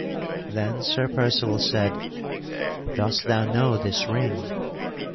Then Sir Percival said, "Dost thou know this ring?"